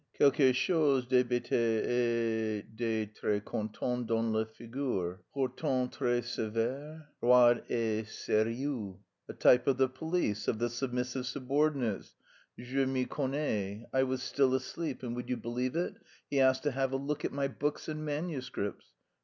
Quelque chose d'hébété et de très content dans la figure, pourtant très sevère, roide et sérieux._ A type of the police, of the submissive subordinates, je m'y connais. I was still asleep, and, would you believe it, he asked to have a look at my books and manuscripts!